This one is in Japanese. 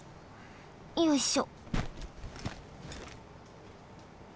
よいしょ。